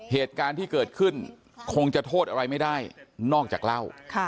เหตุการณ์ที่เกิดขึ้นคงจะโทษอะไรไม่ได้นอกจากเล่า